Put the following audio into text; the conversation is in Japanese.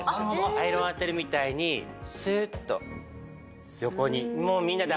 アイロン当てるみたいにスーッと横に。